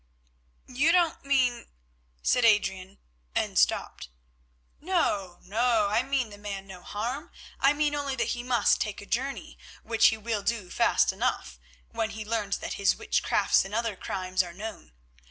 "You don't mean—" said Adrian, and stopped. "No, no. I mean the man no harm. I mean only that he must take a journey, which he will do fast enough, when he learns that his witchcrafts and other crimes are known.